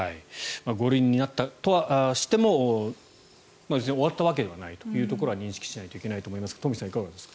５類になったとしても終わったわけではないというところは認識しないといけないと思いますが東輝さん、いかがですか。